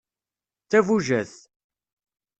D tabujadt.